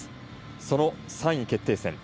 その３位決定戦。